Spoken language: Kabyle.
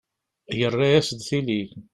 Yarra-as-d tili.